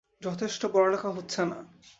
যথেষ্ট পড়ালেখা হচ্ছেনা।